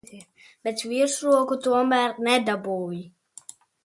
Bet virsroku tomēr nedabūji.